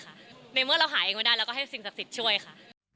ในเมื่อเราหาเองไม่ได้เราก็ให้สิ่งศักดิ์สิทธิ์ช่วยค่ะ